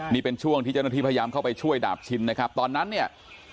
นี่เป็นช่วงที่เจ้าหน้าที่พยายามเข้าไปช่วยดาบชินนะครับตอนนั้นเนี่ย